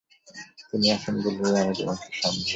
তিনি আছেন বলিয়াই আমাদের মুক্তি সম্ভব।